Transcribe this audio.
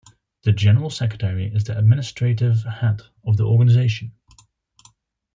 The General Secretary is the administrative head of the organisation.